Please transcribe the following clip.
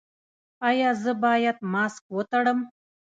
ایا زه باید ماسک وتړم؟